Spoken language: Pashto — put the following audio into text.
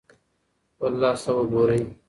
خپل لاس ته وګورئ.